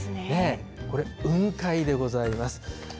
これ雲海でございます。